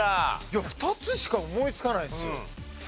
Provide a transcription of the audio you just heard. いや２つしか思いつかないですよ。